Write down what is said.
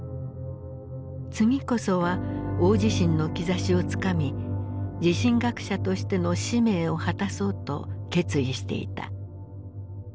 次こそは大地震の兆しをつかみ地震学者としての使命を果たそうと決意していた。